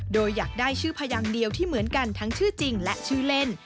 โดยอยากได้ชื่อพยางเดียวที่เหมือนกันทั้งชื่อจริงและชื่อเล่น